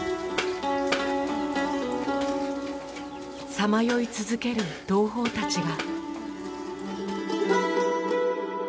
彷徨い続ける同胞たちが。